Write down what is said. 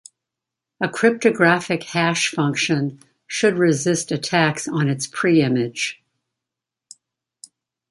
A cryptographic hash function should resist attacks on its preimage.